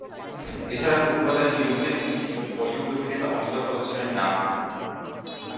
এছাড়া footballer Lionel Messi Bollywood অভিনেতা অমিতাভ বচ্চনের নাম।